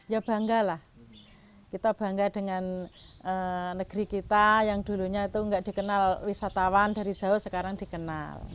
ya bangga lah kita bangga dengan negeri kita yang dulunya itu nggak dikenal wisatawan dari jauh sekarang dikenal